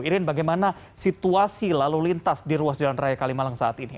irin bagaimana situasi lalu lintas di ruas jalan raya kalimalang saat ini